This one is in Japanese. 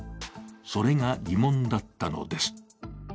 それが疑問だったのです。